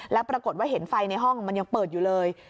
แล้วปรากฏว่าเห็นไฟในห้องมันยังเปิดอยู่เลย